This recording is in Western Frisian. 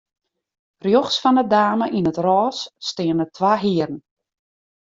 Rjochts fan 'e dame yn it rôs steane twa hearen.